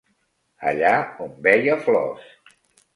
Allà on veia flors